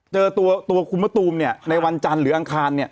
เจอตัวคุณมะตูมในวันจันทร์หรืออังคาร